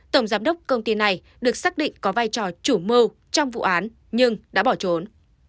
tổng giám đốc công ty này được xác định có vai trò chủ mưu trong vụ án nhưng đã bỏ trốn